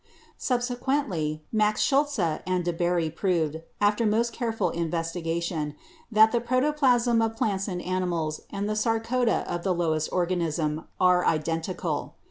Subsequently, Max Schultze and de Bary proved, after most careful investigation, that the protoplasm of plants and animals and the sarcode of the lowest organisms are identical.